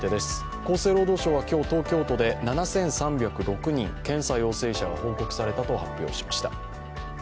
厚生労働省は今日、東京都で７３０６人、検査陽性者が報告されたと発表しました。